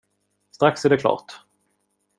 Strax är det klart.